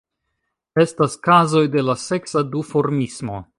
Estas kazoj de seksa duformismo.